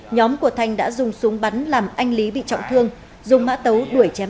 nhóm của thành đã dùng súng bắn làm anh lý bị trọng thương dùng mã tấu đuổi chém